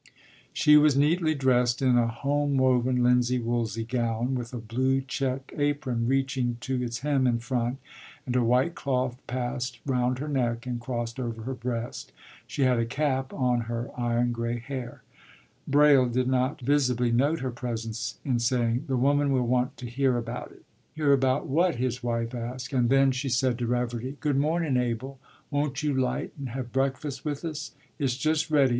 She was neatly dressed in a home woven linsey woolsey gown, with a blue check apron reaching to its hem in front, and a white cloth passed round her neck and crossed over her breast; she had a cap on her iron gray hair. Braile did not visibly note her presence in saying, “The woman will want to hear about it.” “Hear about what?” his wife asked, and then she said to Reverdy, “Good morning, Abel. Won't you light and have breakfast with us? It's just ready.